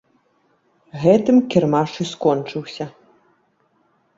Гэтым кірмаш і скончыўся.